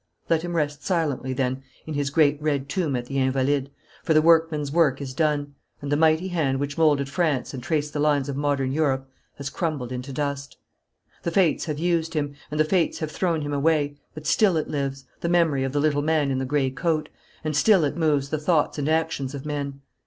Let him rest silently, then, in his great red tomb at the Invalides, for the workman's work is done, and the mighty hand which moulded France and traced the lines of modern Europe has crumbled into dust. The Fates have used him, and the Fates have thrown him away, but still it lives, the memory of the little man in the grey coat, and still it moves the thoughts and actions of men.